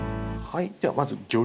はい。